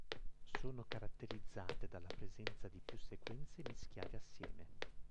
Sono caratterizzate dalla presenza di più sequenze mischiate assieme.